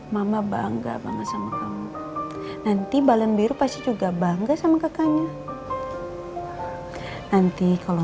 mama bangga banget sama kamu nanti balen biru pasti juga bangga sama kakaknya nanti kalau